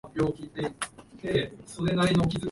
この先まっすぐ、駅まで五分くらいですよ